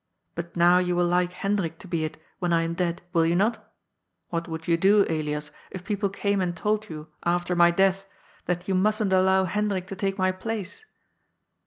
But now you will like Hendrik to be it, when I am dead ; will you not? What would you do, Elias, if people came and told you, after my death, that you mustn't allow Hen drik to take my place